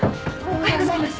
おはようございます。